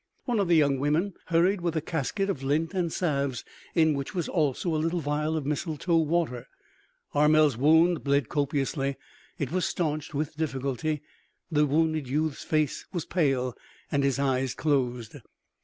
One of the young women hurried with a casket of lint and salves, in which was also a little vial of mistletoe water. Armel's wound bled copiously; it was staunched with difficulty; the wounded youth's face was pale and his eyes closed.